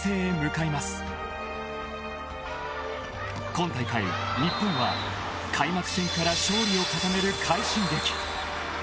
［今大会日本は開幕戦から勝利を重ねる］